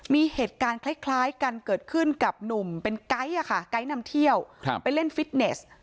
มีเหตุการณ์คล้ายกันเกิดขึ้นกับหนุ่มเป็นไก๊ไกด์นำเที่ยวไปเล่นฟิตเนส